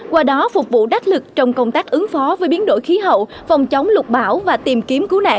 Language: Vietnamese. qua đó phục vụ đắc lực trong công tác ứng phó với biến đổi khí hậu phòng chống lục bão và tìm kiếm cứu nạn